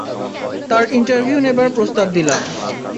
তার ইন্টার্ভিউ নেবার প্রস্তাব দিলাম।